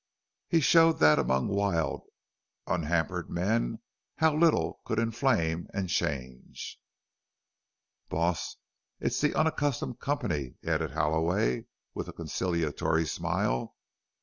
He showed that among wild, unhampered men how little could inflame and change. "Boss, it's the onaccustomed company," added Halloway, with a conciliatory smile.